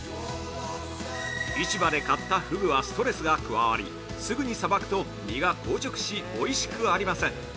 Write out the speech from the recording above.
◆市場で買ったふぐはストレスが加わりすぐにさばくと身が硬直しおいしくありません。